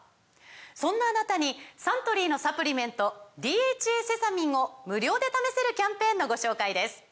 そんなあなたにサントリーのサプリメント「ＤＨＡセサミン」を無料で試せるキャンペーンのご紹介です